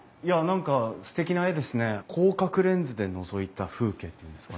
広角レンズでのぞいた風景っていうんですか。